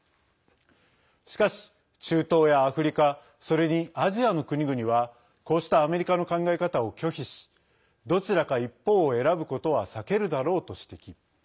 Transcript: しかし、中東やアフリカそれに、アジアの国々はこうしたアメリカの考え方を拒否しどちらか一方を選ぶことは避けるだろうと指摘。